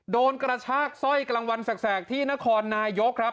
โดนกระชากสร้อยกลางวันแสกที่นครนายกครับ